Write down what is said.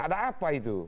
ada apa itu